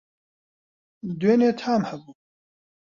دوێنی تام هەبوو